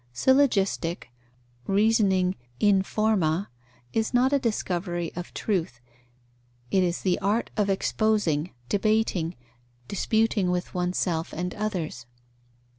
Syllogistic, reasoning in forma, is not a discovery of truth; it is the art of exposing, debating, disputing with oneself and others.